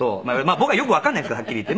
「僕はよくわかんないですからはっきり言って」